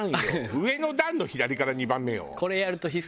上の段の左から２番目よ。